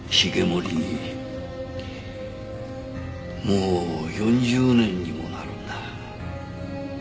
もう４０年にもなるんだ。